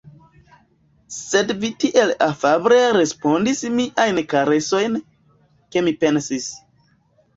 Sed vi tiel afable respondadis miajn karesojn, ke mi pensis.